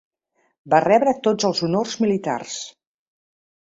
Va rebre tots els honors militars.